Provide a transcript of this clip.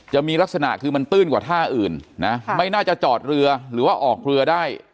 จะมีลักษณะคือมันตื้นกว่าท่าอื่นนะไม่น่าจะจอดเรือหรือว่าออกเรือได้